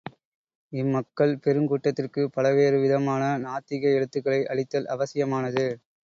இம்மக்கள் பெருங் கூட்டத்திற்கு பலவேறு விதமான நாத்திக எழுத்துக்களை அளித்தல் அவசியமானது.